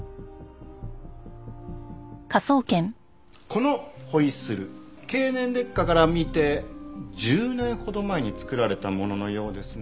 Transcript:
このホイッスル経年劣化から見て１０年ほど前に作られたもののようですね。